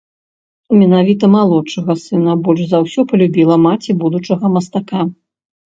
Менавіта малодшага сына больш за ўсё палюбіла маці будучага мастака.